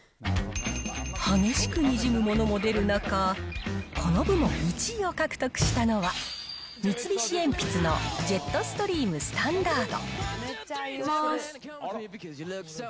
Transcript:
激しくにじむものも出る中、この部門１位を獲得したのは、三菱鉛筆のジェットストリームスタンダード。